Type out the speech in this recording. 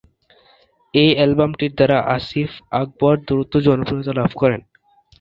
এই অ্যালবামটির দ্বারা আসিফ আকবর দ্রুত জনপ্রিয়তা লাভ করেন।